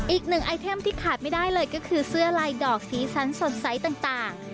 อีกหนึ่งไอเทมที่ขาดไม่ได้เลยก็คือเสื้อลายดอกสีสันสดใสต่าง